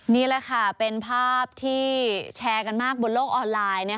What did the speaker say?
นี่แหละค่ะเป็นภาพที่แชร์กันมากบนโลกออนไลน์